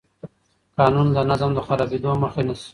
قانون د نظم د خرابېدو مخه نیسي.